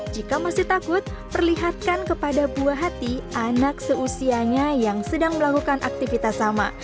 jika masih takut perlihatkan kepada buah hati anak seusianya yang sedang melakukan aktivitas sama